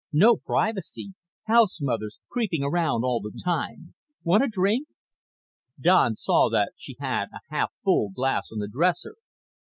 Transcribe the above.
No privacy. House mothers creeping around all the time. Want a drink?" Don saw that she had a half full glass on the dresser.